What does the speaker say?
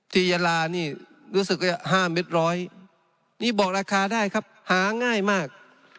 ทียาลารู้สึก๕๐๐เมตรนี่บอกอาคารได้ครับหาง่ายมาก